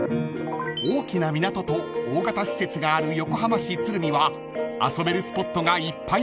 ［大きな港と大型施設がある横浜市鶴見は遊べるスポットがいっぱいある街］